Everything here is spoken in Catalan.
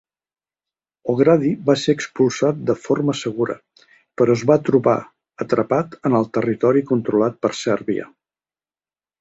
O'Grady va ser expulsat de forma segura, però es va trobar atrapat en el territori controlat per Sèrbia.